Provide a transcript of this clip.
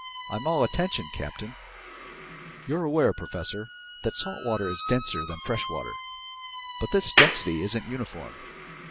"I'm all attention, captain." "You're aware, professor, that salt water is denser than fresh water, but this density isn't uniform.